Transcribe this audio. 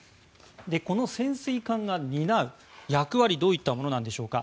この潜水艦が担う役割どういったものなんでしょうか。